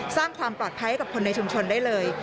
สร้างความปลอดภัยให้กับคนในชุมชนได้เลย